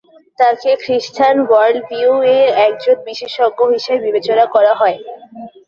তাকে খ্রিস্টান ওয়ার্ল্ডভিউ-এ একজন বিশেষজ্ঞ হিসেবে বিবেচনা করা হয়।